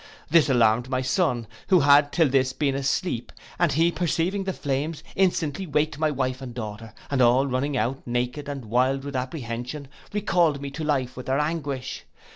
This alarmed my son, who had till this been asleep, and he perceiving the flames, instantly waked my wife and daughter, and all running out, naked, and wild with apprehension, recalled me to life with their anguish.